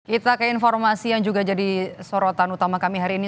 kita ke informasi yang juga jadi sorotan utama kami hari ini